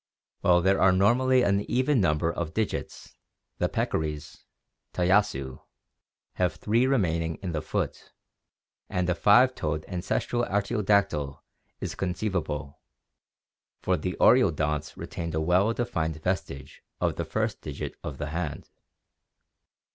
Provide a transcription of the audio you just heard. While there are normally an even number of digits, the peccaries, Tayassu, have three remaining in the foot, and a five toed ancestral artiodactyl is conceivable, for the oreo donts retained a well defined vestige of the first digit of the hand.